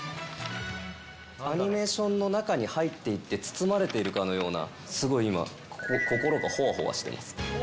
アニメーションの中に入っていって、包まれているかのような、すごい今、心がほわほわしています。